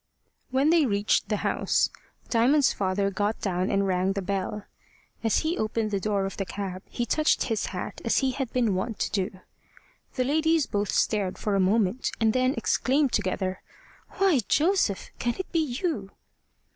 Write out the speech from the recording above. When they reached the house, Diamond's father got down and rang the bell. As he opened the door of the cab, he touched his hat as he had been wont to do. The ladies both stared for a moment, and then exclaimed together: "Why, Joseph! can it be you?"